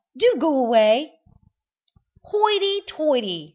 Do go away!" "Hoity toity!"